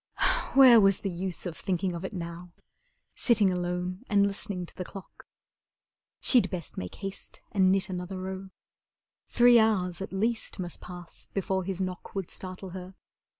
Where was the use of thinking of it now, Sitting alone and listening to the clock! She'd best make haste and knit another row. Three hours at least must pass before his knock Would startle her.